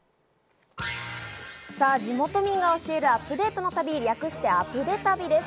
地元民が教えるアップデートの旅、略してアプデ旅です。